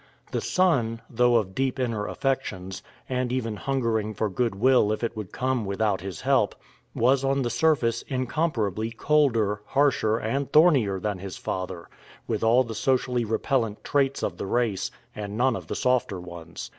The son, though of deep inner affections, and even hungering for good will if it would come without his help, was on the surface incomparably colder, harsher, and thornier than his father, with all the socially repellent traits of the race and none of the softer ones.